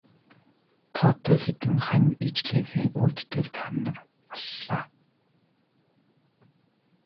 Тоотой хэдэн хань ижлийнхээ өөдтэйг та нар аллаа.